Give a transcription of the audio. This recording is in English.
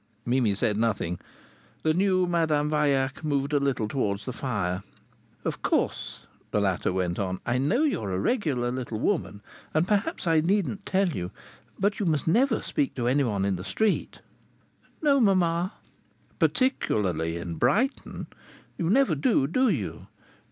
Mimi said nothing. The new Madame Vaillac moved a little towards the fire. "Of course," the latter went on, "I know you're a regular little woman, and perhaps I needn't tell you but you must never speak to anyone in the street." "No, mamma." "Particularly in Brighton.... You never do, do you?"